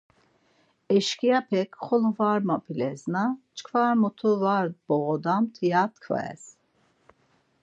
Eşkiyapek 'Xolo var map̌ilesna çkva mutu var boğodamt' ya tkves.